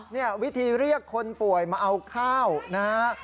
นี่วิธีเรียกคนป่วยมาเอาข้าวนะฮะ